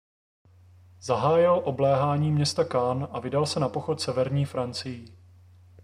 Zahájil obléhání města Caen a vydal se na pochod severní Francií.